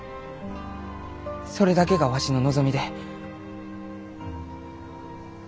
それだけがわしの望みで。